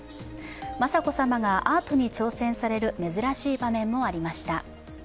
雅子さまがアートに挑戦される珍しい場面もありました。